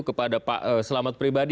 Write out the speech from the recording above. kepada pak selamat pribadi